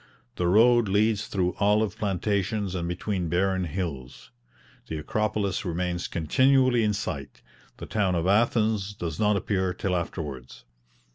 The road leads through olive plantations and between barren hills. The Acropolis remains continually in sight; the town of Athens does not appear till afterwards.